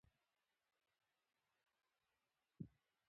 پښتو ژبه زموږ د هڅو مرکز ده.